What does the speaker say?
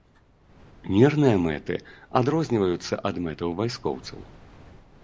Мірныя мэты адрозніваюцца ад мэтаў вайскоўцаў.